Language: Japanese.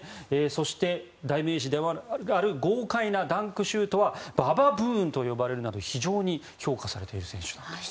そして、代名詞でもある豪快なダンクシュートはＢＡＢＡＢＯＯＭと呼ばれるなど非常に評価されている選手です。